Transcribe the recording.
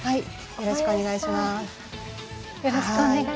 よろしくお願いします。